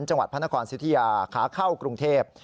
จังหวัดพระนครสิทธิยาขาเข้ากรุงเทพ